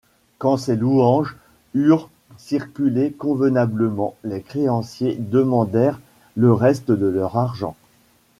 Quand ces louanges eurent circulé convenablement, les créanciers demandèrent le reste de leur argent.